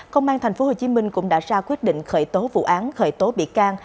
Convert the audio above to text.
công an tp hcm cũng đã ra quyết định khởi tố vụ án khởi tố bị can